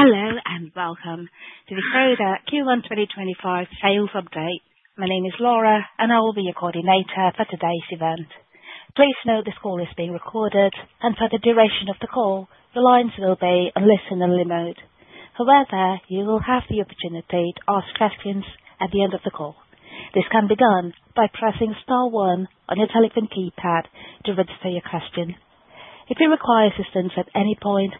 Hello and welcome to the Croda Q1 2025 sales update. My name is Laura, and I will be your coordinator for today's event. Please note this call is being recorded, and for the duration of the call, the lines will be on listen-only mode. However, you will have the opportunity to ask questions at the end of the call. This can be done by pressing star one on your telephone keypad to register your question. If you require assistance at any point,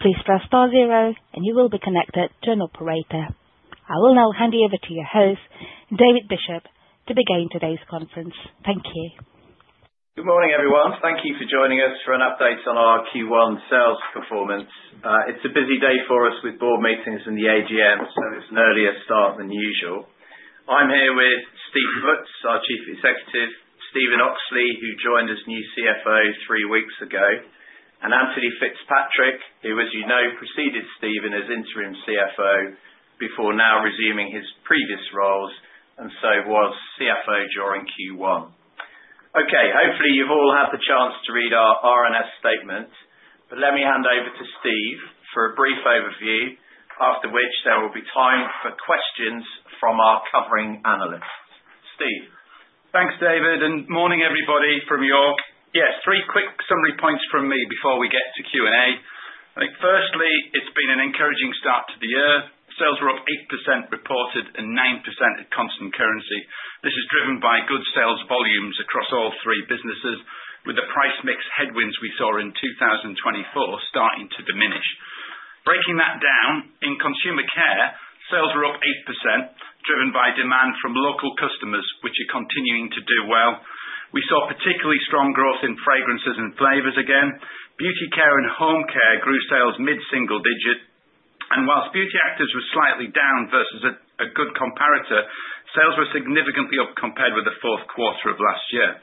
please press star zero, and you will be connected to an operator. I will now hand you over to your host, David Bishop, to begin today's conference. Thank you. Good morning, everyone. Thank you for joining us for an update on our Q1 sales performance. It's a busy day for us with board meetings and the AGM, so it's an earlier start than usual. I'm here with Steve Foots, our Chief Executive; Stephen Oxley, who joined as new CFO three weeks ago; and Anthony Fitzpatrick, who, as you know, preceded Stephen as interim CFO before now resuming his previous roles and so was CFO during Q1. Okay, hopefully you've all had the chance to read our RNS statement, but let me hand over to Steve for a brief overview, after which there will be time for questions from our covering analysts. Steve. Thanks, David, and morning, everybody, from York. Yes, three quick summary points from me before we get to Q&A. Firstly, it's been an encouraging start to the year. Sales were up 8% reported and 9% at constant currency. This is driven by good sales volumes across all three businesses, with the price mix headwinds we saw in 2024 starting to diminish. Breaking that down, in Consumer Care, sales were up 8%, driven by demand from local customers, which are continuing to do well. We saw particularly strong growth in Fragrances and Flavours again. Beauty Care and Home Care grew sales mid-single digit, and whilst Beauty Actives were slightly down versus a good comparator, sales were significantly up compared with the fourth quarter of last year.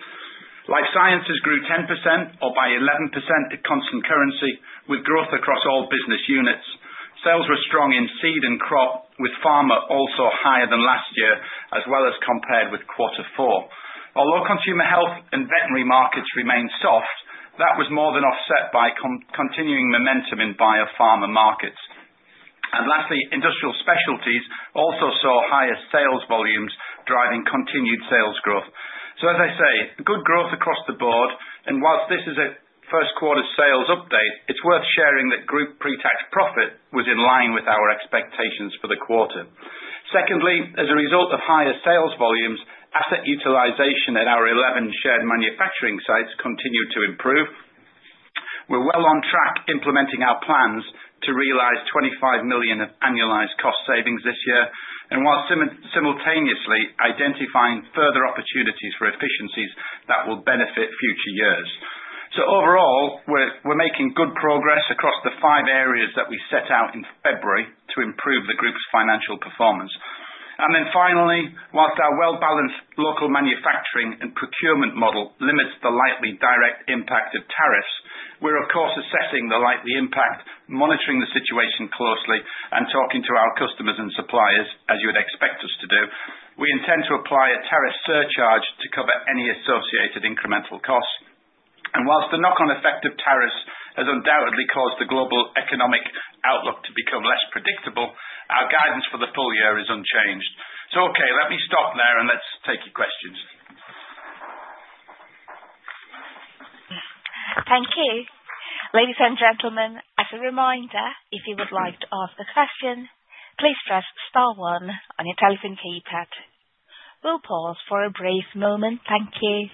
Life Sciences grew 10% or by 11% at constant currency, with growth across all business units. Sales were strong in Seed and Crop, with Pharma also higher than last year, as well as compared with quarter four. Although consumer health and veterinary markets remained soft, that was more than offset by continuing momentum in biopharma markets. Lastly, Industrial Specialties also saw higher sales volumes, driving continued sales growth. As I say, good growth across the board, and whilst this is a first quarter sales update, it is worth sharing that group pre-tax profit was in line with our expectations for the quarter. Secondly, as a result of higher sales volumes, asset utilization at our 11 shared manufacturing sites continued to improve. We are well on track implementing our plans to realize 25 million of annualized cost savings this year, whilst simultaneously identifying further opportunities for efficiencies that will benefit future years. Overall, we're making good progress across the five areas that we set out in February to improve the group's financial performance. Finally, whilst our well-balanced local manufacturing and procurement model limits the likely direct impact of tariffs, we're, of course, assessing the likely impact, monitoring the situation closely, and talking to our customers and suppliers, as you would expect us to do. We intend to apply a tariff surcharge to cover any associated incremental costs. Whilst the knock-on effect of tariffs has undoubtedly caused the global economic outlook to become less predictable, our guidance for the full year is unchanged. Let me stop there and let's take your questions. Thank you. Ladies and gentlemen, as a reminder, if you would like to ask a question, please press star one on your telephone keypad. We'll pause for a brief moment. Thank you.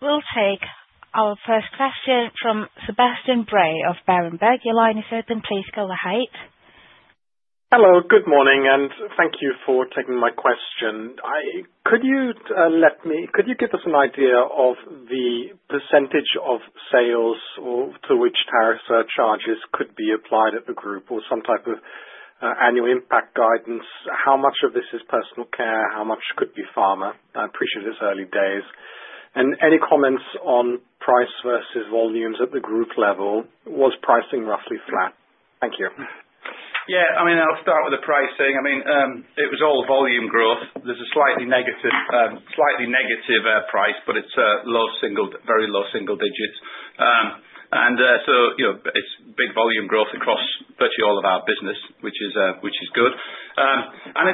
We'll take our first question from Sebastian Bray of Berenberg. Your line is open. Please go ahead. Hello, good morning, and thank you for taking my question. Could you let me—could you give us an idea of the percentage of sales to which tariffs or charges could be applied at the group or some type of annual impact guidance? How much of this is personal care? How much could be Pharma? I appreciate it's early days. Any comments on price versus volumes at the group level? Was pricing roughly flat? Thank you. Yeah, I mean, I'll start with the pricing. I mean, it was all volume growth. There's a slightly negative price, but it's low single, very low single digits. It is big volume growth across virtually all of our business, which is good. I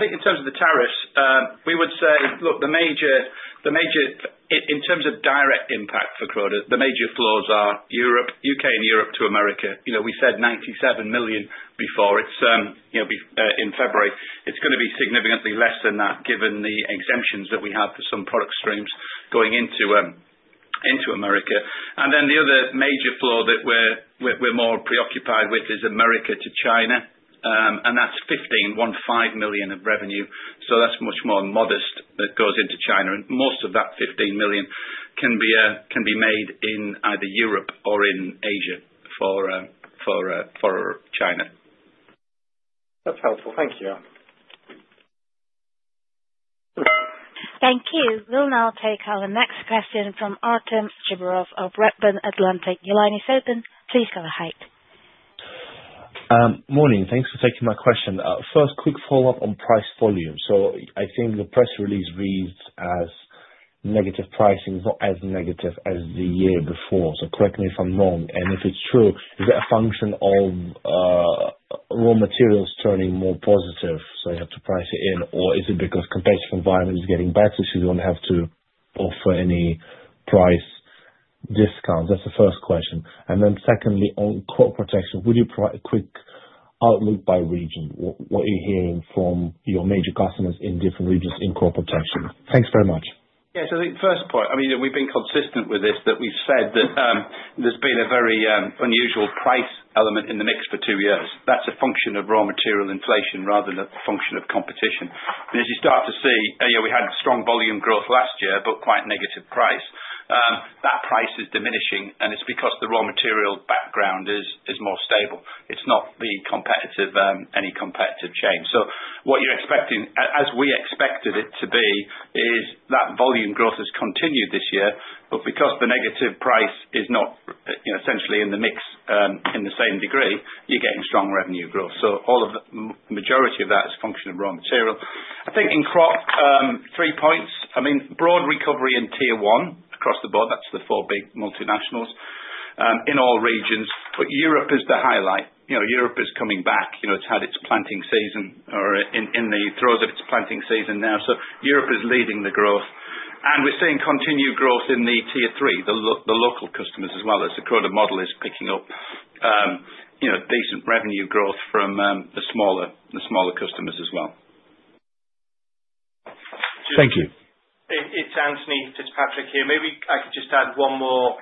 think in terms of the tariffs, we would say, look, the major, in terms of direct impact for Croda, the major flows are U.K. and Europe to America. We said 97 million before. In February, it's going to be significantly less than that, given the exemptions that we have for some product streams going into America. The other major flow that we're more preoccupied with is America to China, and that's 15 million, one five million, of revenue. That is much more modest that goes into China, and most of that 15 million can be made in either Europe or in Asia for China. That's helpful. Thank you. Thank you. We'll now take our next question from Artem Chubarov of Redburn Atlantic. Your line is open. Please go ahead. Morning. Thanks for taking my question. First, quick follow-up on price volume. I think the press release reads as negative pricing, not as negative as the year before. Correct me if I'm wrong. If it's true, is that a function of raw materials turning more positive, so you have to price it in, or is it because the competitive environment is getting better, so you don't have to offer any price discounts? That's the first question. Secondly, on Crop Protection, would you provide a quick outlook by region? What are you hearing from your major customers in different regions in Crop Protection? Thanks very much. Yeah, so I think the first point, I mean, we've been consistent with this, that we've said that there's been a very unusual price element in the mix for two years. That's a function of raw material inflation rather than a function of competition. As you start to see, we had strong volume growth last year, but quite negative price. That price is diminishing, and it's because the raw material background is more stable. It's not any competitive chain. What you're expecting, as we expected it to be, is that volume growth has continued this year, but because the negative price is not essentially in the mix in the same degree, you're getting strong revenue growth. The majority of that is a function of raw material. I think in Crop, three points. I mean, broad recovery in Tier 1 across the board. That's the four big multinationals in all regions. Europe is the highlight. Europe is coming back. It's had its planting season or in the throes of its planting season now. Europe is leading the growth. We're seeing continued growth in the Tier 3, the local customers as well. The Croda model is picking up decent revenue growth from the smaller customers as well. Thank you. It's Anthony Fitzpatrick here. Maybe I could just add one more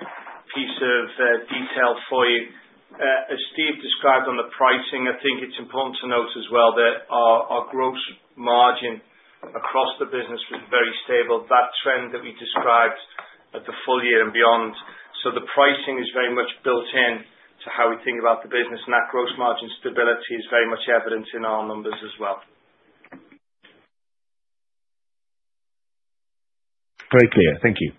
piece of detail for you. As Steve described on the pricing, I think it's important to note as well that our gross margin across the business was very stable. That trend that we described at the full year and beyond. The pricing is very much built into how we think about the business, and that gross margin stability is very much evident in our numbers as well. Great, clear. Thank you.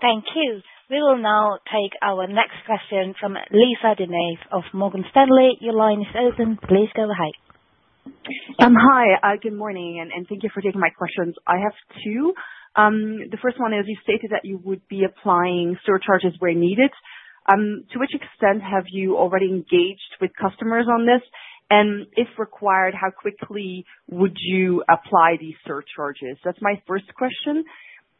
Thank you. We will now take our next question from Lisa De Neve of Morgan Stanley. Your line is open. Please go ahead. Hi, good morning, and thank you for taking my questions. I have two. The first one is you stated that you would be applying surcharges where needed. To which extent have you already engaged with customers on this? If required, how quickly would you apply these surcharges? That is my first question.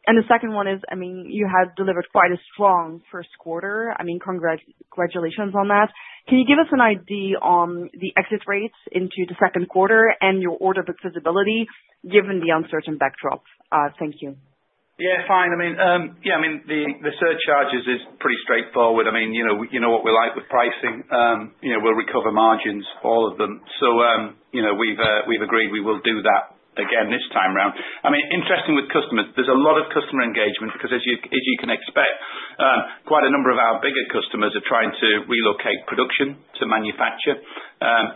The second one is, I mean, you have delivered quite a strong first quarter. I mean, congratulations on that. Can you give us an idea on the exit rates into the second quarter and your order book visibility given the uncertain backdrop? Thank you. Yeah, fine. I mean, yeah, I mean, the surcharges is pretty straightforward. I mean, you know what we like with pricing. We'll recover margins, all of them. So we've agreed we will do that again this time around. I mean, interesting with customers, there's a lot of customer engagement because, as you can expect, quite a number of our bigger customers are trying to relocate production to manufacture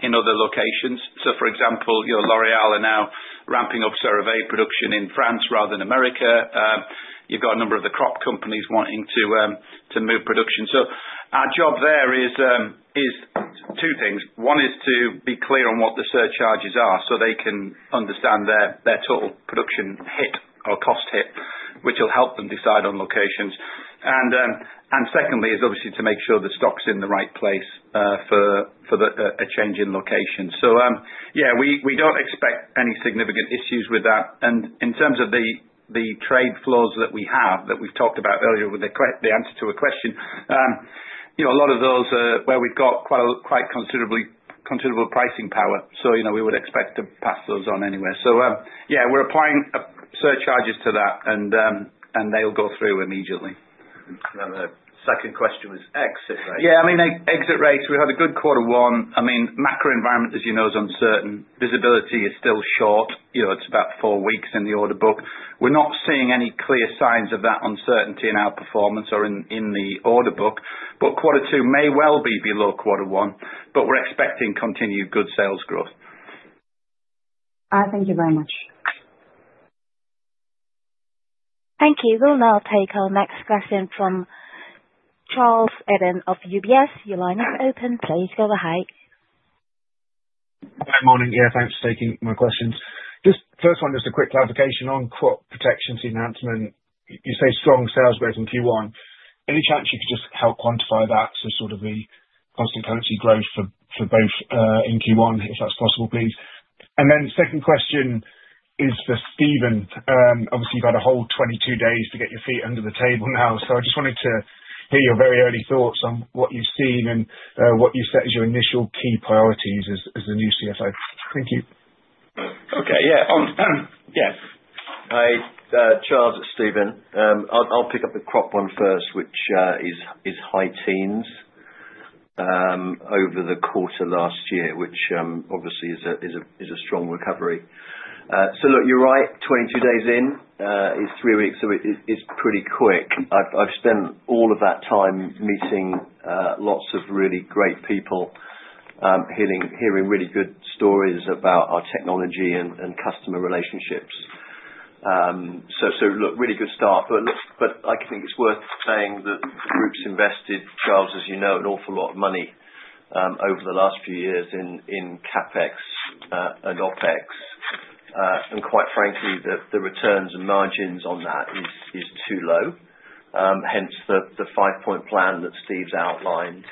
in other locations. For example, L'Oréal are now ramping up CeraVe production in France rather than America. You've got a number of the Crop companies wanting to move production. Our job there is two things. One is to be clear on what the surcharges are so they can understand their total production hit or cost hit, which will help them decide on locations. Secondly, it is obviously to make sure the stock's in the right place for a change in location. Yeah, we do not expect any significant issues with that. In terms of the trade flows that we have that we talked about earlier with the answer to a question, a lot of those where we have quite considerable pricing power, so we would expect to pass those on anyway. Yeah, we are applying surcharges to that, and they will go through immediately. The second question was exit rates. Yeah, I mean, exit rates, we had a good quarter one. I mean, macro environment, as you know, is uncertain. Visibility is still short. It is about four weeks in the order book. We are not seeing any clear signs of that uncertainty in our performance or in the order book, but quarter two may well be below quarter one, but we are expecting continued good sales growth. Thank you very much. Thank you. We'll now take our next question from Charles Eden of UBS. Your line is open. Please go ahead. Good morning. Yeah, thanks for taking my questions. First one, just a quick clarification on Crop Protection's enhancement. You say strong sales growth in Q1. Any chance you could just help quantify that? So sort of the constant currency growth for both in Q1, if that's possible, please. Then second question is for Stephen. Obviously, you've had a whole 22 days to get your feet under the table now, so I just wanted to hear your very early thoughts on what you've seen and what you set as your initial key priorities as the new CFO. Thank you. Okay. Yeah. Yeah. Hi, Charles. It's Stephen. I'll pick up the Crop one first, which is high teens over the quarter last year, which obviously is a strong recovery. You're right. Twenty days in is three weeks, so it's pretty quick. I've spent all of that time meeting lots of really great people, hearing really good stories about our technology and customer relationships. Really good start, but I think it's worth saying that the group's invested, Charles, as you know, an awful lot of money over the last few years in CapEx and OpEx. Quite frankly, the returns and margins on that is too low, hence the Five-Point Plan that Steve's outlined.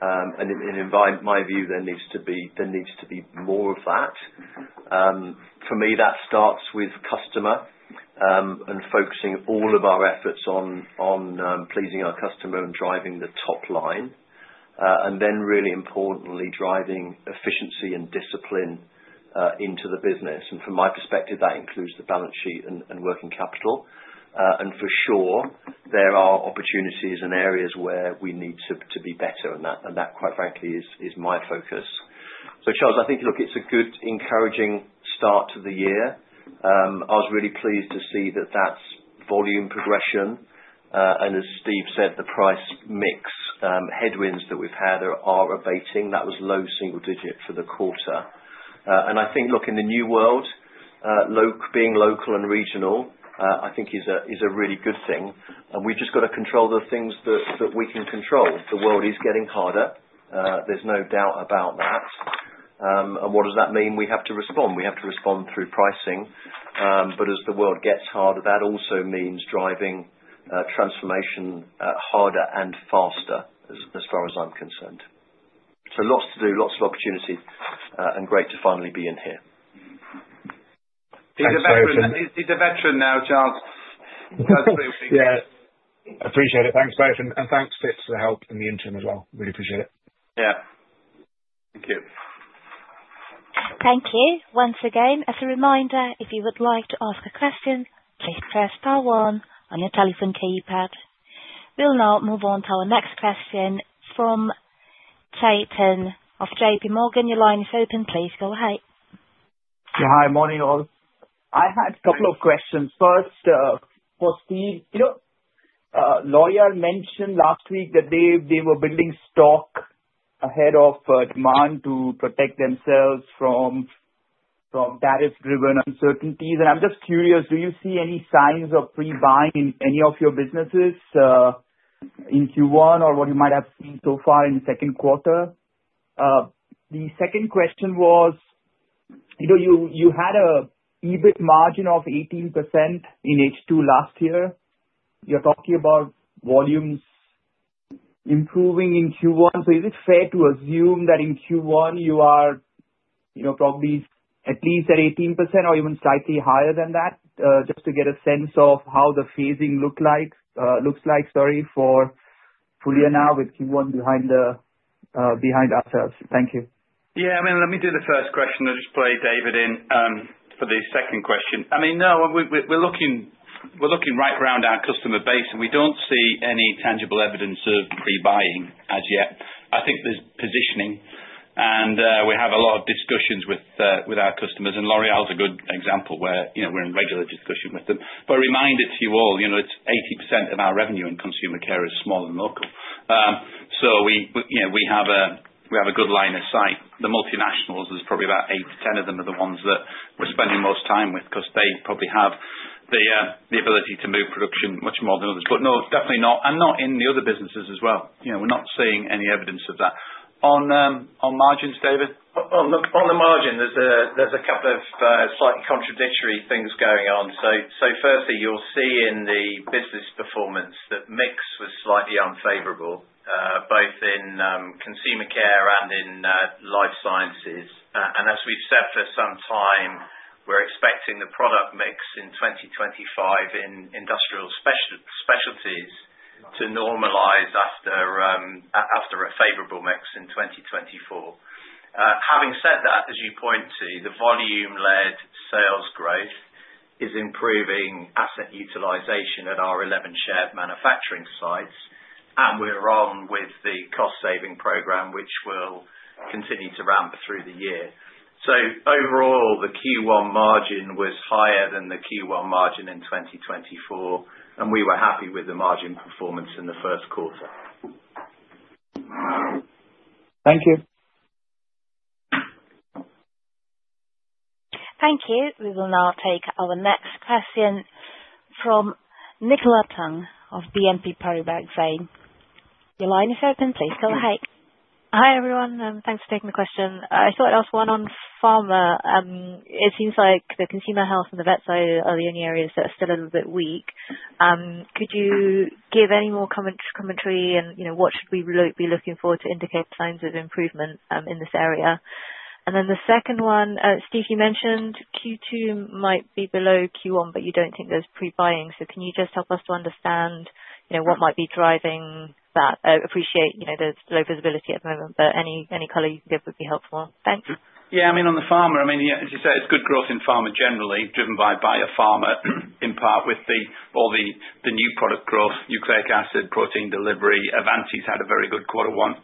In my view, there needs to be more of that. For me, that starts with customer and focusing all of our efforts on pleasing our customer and driving the top line, and then really importantly, driving efficiency and discipline into the business. From my perspective, that includes the balance sheet and working capital. For sure, there are opportunities and areas where we need to be better, and that, quite frankly, is my focus. Charles, I think, look, it's a good, encouraging start to the year. I was really pleased to see that that's volume progression. As Steve said, the price mix headwinds that we've had are abating. That was low single digit for the quarter. I think, look, in the new world, being local and regional, I think, is a really good thing. We've just got to control the things that we can control. The world is getting harder. There's no doubt about that. We have to respond. We have to respond through pricing. As the world gets harder, that also means driving transformation harder and faster, as far as I'm concerned. Lots to do, lots of opportunity, and great to finally be in here. He's a veteran now, Charles. He does very well. Yeah. Appreciate it. Thanks, Steve, and thanks, Fitz, for the help in the interim as well. Really appreciate it. Yeah. Thank you. Thank you once again. As a reminder, if you would like to ask a question, please press star one on your telephone keypad. We'll now move on to our next question from Chetan of JPMorgan. Your line is open. Please go ahead. Hi, morning, all. I had a couple of questions. First for Steve. L'Oréal mentioned last week that they were building stock ahead of demand to protect themselves from tariff-driven uncertainties. I am just curious, do you see any signs of rebuying in any of your businesses in Q1 or what you might have seen so far in the second quarter? The second question was, you had a EBIT margin of 18% in H2 last year. You are talking about volumes improving in Q1. Is it fair to assume that in Q1 you are probably at least at 18% or even slightly higher than that? Just to get a sense of how the phasing looks like, sorry, for full year now with Q1 behind us. Thank you. Yeah. I mean, let me do the first question. I'll just play David in for the second question. I mean, no, we're looking right around our customer base, and we don't see any tangible evidence of rebuying as yet. I think there's positioning, and we have a lot of discussions with our customers. L'Oréal is a good example where we're in regular discussion with them. A reminder to you all, it's 80% of our revenue in Consumer Care is small and local. We have a good line of sight. The multinationals, there's probably about 8/10 of them, are the ones that we're spending most time with because they probably have the ability to move production much more than others. No, definitely not. Not in the other businesses as well. We're not seeing any evidence of that. On margins, David? On the margins, there's a couple of slightly contradictory things going on. Firstly, you'll see in the business performance that mix was slightly unfavorable, both Consumer Care and in Life Sciences. As we've said for some time, we're expecting the product mix in 2025 in Industrial Specialties to normalize after a favorable mix in 2024. Having said that, as you point to, the volume-led sales growth is improving asset utilization at our 11 shared manufacturing sites, and we're on with the cost-saving program, which will continue to ramp through the year. Overall, the Q1 margin was higher than the Q1 margin in 2024, and we were happy with the margin performance in the first quarter. Thank you. Thank you. We will now take our next question from Nicola Tang of BNP Paribas Exane. Your line is open. Please go ahead. Hi, everyone. Thanks for taking the question. I thought I'd ask one on Pharma. It seems like the consumer health and the vet side are the only areas that are still a little bit weak. Could you give any more commentary and what should we be looking for to indicate signs of improvement in this area? The second one, Steve, you mentioned Q2 might be below Q1, but you do not think there is pre-buying. Can you just help us to understand what might be driving that? Appreciate the low visibility at the moment, but any color you can give would be helpful. Thanks. Yeah. I mean, on the Pharma, I mean, as you said, it's good growth in Pharma generally, driven by biopharma in part with all the new product growth, nucleic acid, protein delivery. Avanti's had a very good quarter one.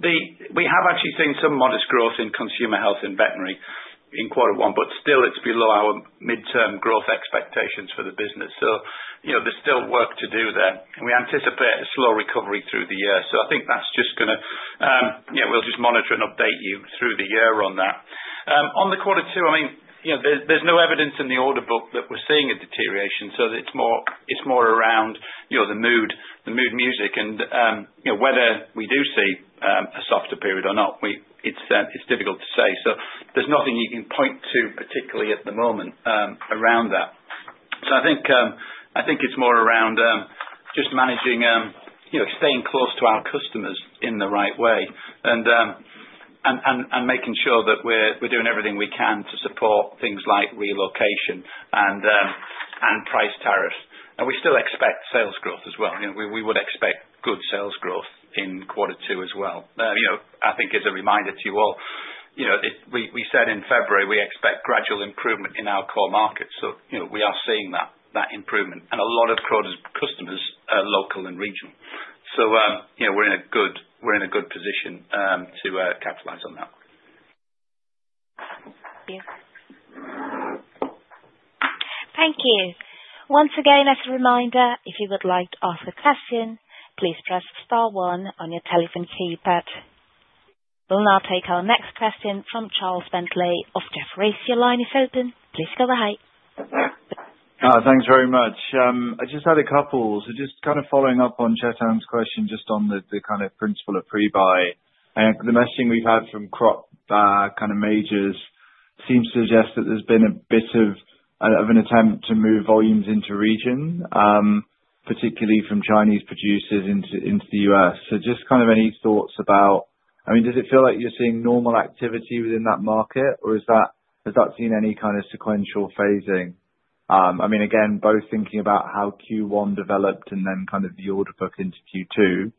We have actually seen some modest growth in consumer health and veterinary in quarter one, but still, it's below our midterm growth expectations for the business. There is still work to do there. We anticipate a slow recovery through the year. I think that's just going to, yeah, we'll just monitor and update you through the year on that. On the quarter two, I mean, there's no evidence in the order book that we're seeing a deterioration. It is more around the mood music and whether we do see a softer period or not. It's difficult to say. There is nothing you can point to particularly at the moment around that. I think it is more around just managing, staying close to our customers in the right way, and making sure that we are doing everything we can to support things like relocation and price tariffs. We still expect sales growth as well. We would expect good sales growth in quarter two as well. I think as a reminder to you all, we said in February we expect gradual improvement in our core markets. We are seeing that improvement. A lot of customers are local and regional. We are in a good position to capitalize on that. Thank you. Thank you. Once again, as a reminder, if you would like to ask a question, please press star one on your telephone keypad. We will now take our next question from Charles Bentley of Jefferies. Your line is open. Please go ahead. Thanks very much. I just had a couple. Just kind of following up on Chetan's question just on the kind of principle of pre-buy. The messaging we've had from Crop kind of majors seems to suggest that there's been a bit of an attempt to move volumes into region, particularly from Chinese producers into the U.S. Just kind of any thoughts about, I mean, does it feel like you're seeing normal activity within that market, or has that seen any kind of sequential phasing? I mean, again, both thinking about how Q1 developed and then kind of the order book into Q2.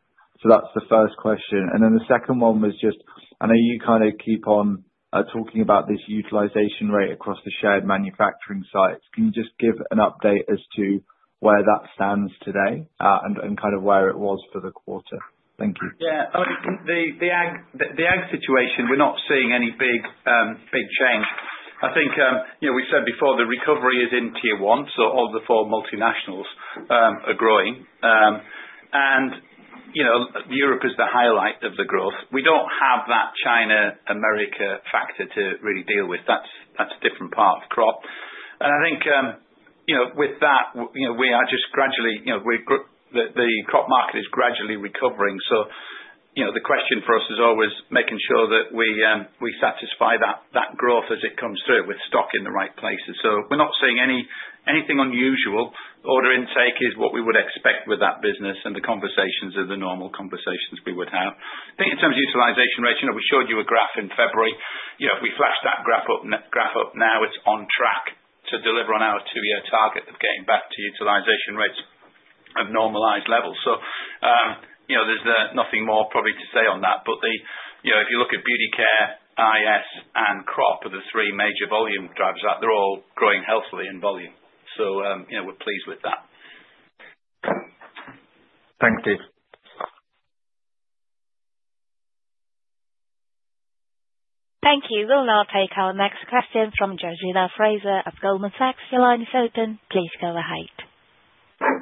That's the first question. The second one was just, I know you kind of keep on talking about this utilization rate across the shared manufacturing sites. Can you just give an update as to where that stands today and kind of where it was for the quarter? Thank you. Yeah. The Ag situation, we're not seeing any big change. I think we said before, the recovery is in Tier 1, so all the four multinationals are growing. Europe is the highlight of the growth. We do not have that China-America factor to really deal with. That is a different part of Crop. I think with that, we are just gradually, the Crop market is gradually recovering. The question for us is always making sure that we satisfy that growth as it comes through with stock in the right places. We are not seeing anything unusual. Order intake is what we would expect with that business, and the conversations are the normal conversations we would have. I think in terms of utilization rates, we showed you a graph in February. If we flash that graph up now, it's on track to deliver on our two-year target of getting back to utilization rates of normalized levels. There's nothing more probably to say on that. If you look at Beauty Care, IS, and Crop are the three major volume drivers. They're all growing healthily in volume. We're pleased with that. Thank you. Thank you. We'll now take our next question from Georgina Fraser of Goldman Sachs. Your line is open. Please go ahead.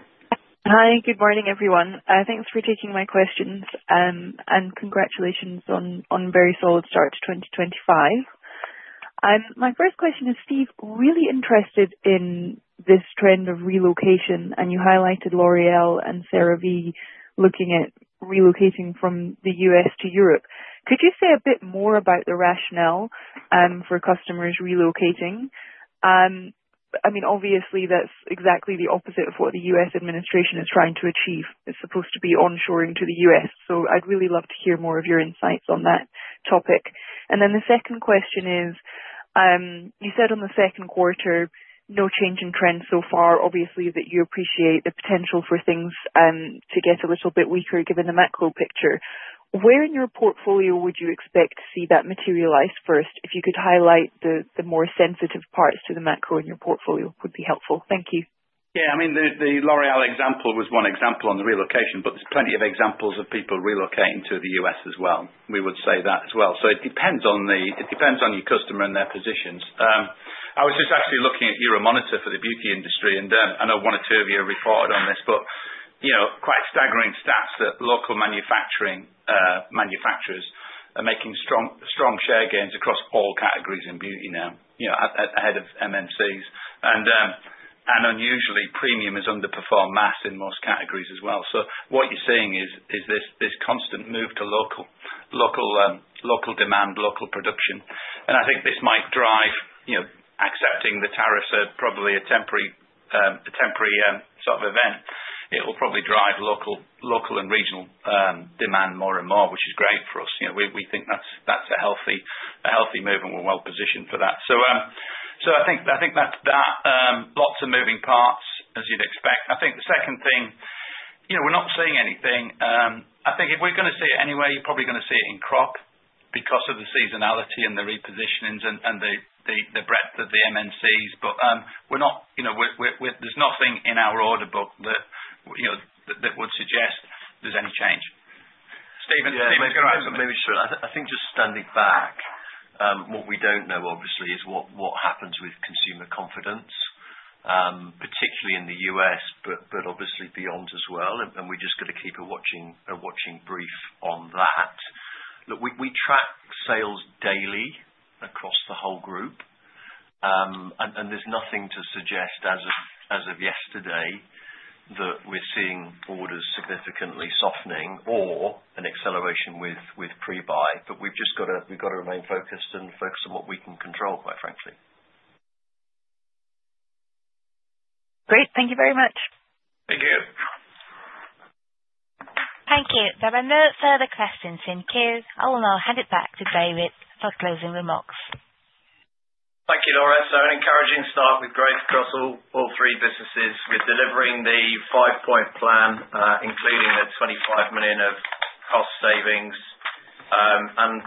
Hi. Good morning, everyone. Thanks for taking my questions, and congratulations on a very solid start to 2025. My first question is, Steve, really interested in this trend of relocation, and you highlighted L'Oréal and CeraVe looking at relocating from the U.S. to Europe. Could you say a bit more about the rationale for customers relocating? I mean, obviously, that's exactly the opposite of what the U.S. administration is trying to achieve. It's supposed to be onshoring to the U.S. I’d really love to hear more of your insights on that topic. The second question is, you said on the second quarter, no change in trend so far, obviously, that you appreciate the potential for things to get a little bit weaker given the macro picture. Where in your portfolio would you expect to see that materialize first? If you could highlight the more sensitive parts to the macro in your portfolio, it would be helpful. Thank you. Yeah. I mean, the L'Oréal example was one example on the relocation, but there's plenty of examples of people relocating to the U.S. as well. We would say that as well. It depends on your customer and their positions. I was just actually looking at Euromonitor for the beauty industry, and I know one or two of you have reported on this, but quite staggering stats that local manufacturers are making strong share gains across all categories in beauty now ahead of MNCs. Unusually, premium has underperformed mass in most categories as well. What you're seeing is this constant move to local demand, local production. I think this might drive, accepting the tariffs are probably a temporary sort of event. It will probably drive local and regional demand more and more, which is great for us. We think that's a healthy move, and we're well positioned for that. I think that's that. Lots of moving parts, as you'd expect. I think the second thing, we're not seeing anything. I think if we're going to see it anyway, you're probably going to see it in Crop because of the seasonality and the repositionings and the breadth of the MNCs. There's nothing in our order book that would suggest there's any change. Stephen, can I ask something? Maybe short. I think just standing back, what we do not know, obviously, is what happens with consumer confidence, particularly in the U.S., but obviously beyond as well. We are just going to keep a watching brief on that. Look, we track sales daily across the whole group, and there is nothing to suggest as of yesterday that we are seeing orders significantly softening or an acceleration with pre-buy. We have just got to remain focused and focus on what we can control, quite frankly. Great. Thank you very much. Thank you. Thank you. There are no further questions in queue. I will now hand it back to David for closing remarks. Thank you, Laura. An encouraging start with growth across all three businesses. We're delivering the Five-Point Plan, including the 25 million of cost savings.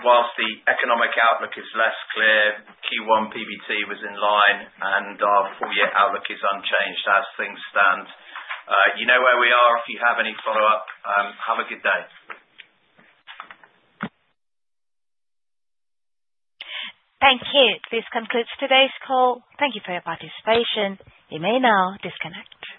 Whilst the economic outlook is less clear, Q1 PBT was in line, and our four-year outlook is unchanged as things stand. You know where we are. If you have any follow-up, have a good day. Thank you. This concludes today's call. Thank you for your participation. You may now disconnect.